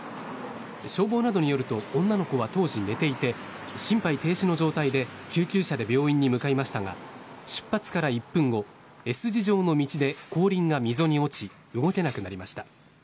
消防などによると女の子は当時、寝ていて心肺停止の状態で救急車で病院に向かいましたが出発から１分後Ｓ字状の道で後輪が溝に落ち動けなくなりました。